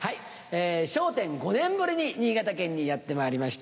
『笑点』５年ぶりに新潟県にやってまいりました。